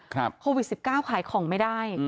โควิด๑๙ขายของไม่ได้